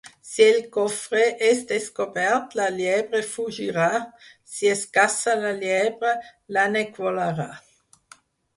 Si el cofre és descobert, la llebre fugirà; si es caça la llebre, l'ànec volarà.